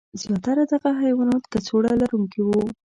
زیاتره دغه حیوانات کڅوړه لرونکي وو.